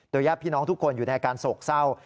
โดยย่าพี่น้องทุกคนอยู่ในการโศกเศร้า